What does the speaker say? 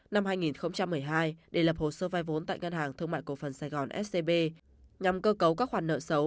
năm hai nghìn một mươi hai để lập hồ sơ vai vốn tại ngân hàng thương mại cổ phần sài gòn scb nhằm cơ cấu các khoản nợ xấu